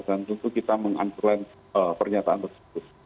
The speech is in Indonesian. dan tentu kita meng unclang pernyataan tersebut